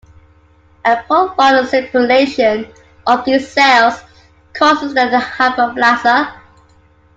A prolonged stimulation of these cells causes their hyperplasia.